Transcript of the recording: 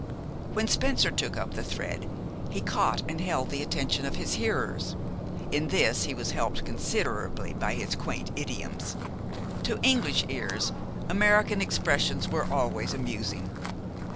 When Spencer took up the thread, he caught and held the attention of his hearers. In this he was helped considerably by his quaint idioms. To English ears, American expressions are always amusing.